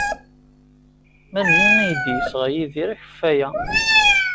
Melmi ay d-yesɣa Yidir akeffay-a?